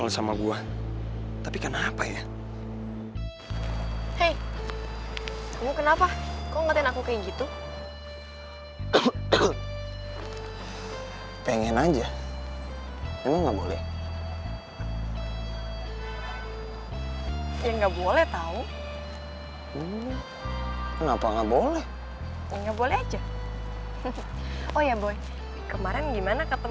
sampai jam berapa